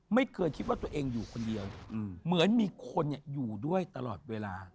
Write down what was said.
ไม่เคยคิดว่าตัวเองอยู่คนเดียวเหมือนมีคนอยู่ด้วยตลอดเวลา